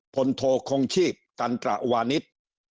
โทคงชีพตันตระวานิส